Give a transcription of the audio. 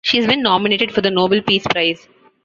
She has been nominated for the Nobel Peace Prize.